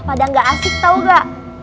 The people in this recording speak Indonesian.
padahal ga asik tau ga